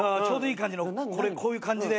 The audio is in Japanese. こういう感じで。